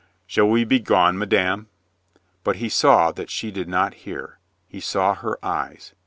"Shall we be gone, madame?" But he saw that she did not hear, he saw her eyes.